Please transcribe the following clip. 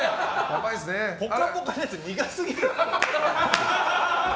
「ぽかぽか」のやつ苦すぎる。